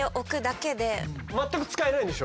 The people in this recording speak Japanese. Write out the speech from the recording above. まったく使えないんでしょ？